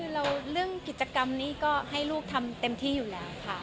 คือเรื่องกิจกรรมนี้ก็ให้ลูกทำเต็มที่อยู่แล้วค่ะ